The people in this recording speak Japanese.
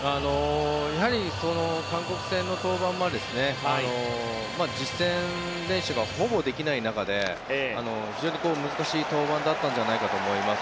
やはり韓国戦の登板は実践練習がほぼできない中で非常に難しい登板だったんじゃないかと思います。